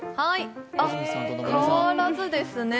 あ、変わらずですね。